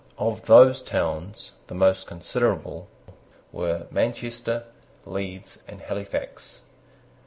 Of those towns the most considerable were Manchester, Leeds, and Halifax.